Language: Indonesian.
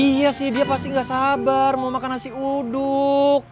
iya sih dia pasti gak sabar mau makan nasi uduk